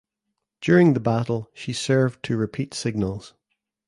During the battle she served to repeat signals.